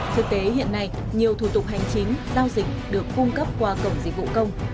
thực tế hiện nay nhiều thủ tục hành chính giao dịch được cung cấp qua cổng dịch vụ công